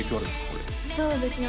これそうですね